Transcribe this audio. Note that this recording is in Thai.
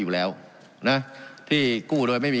การปรับปรุงทางพื้นฐานสนามบิน